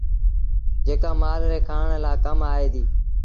جيڪآ مآل ري کآڻ لآ ڪم آئي ديٚ۔